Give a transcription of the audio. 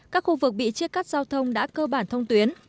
các khu vực bị chia cắt giao thông đã cơ bản thông tuyến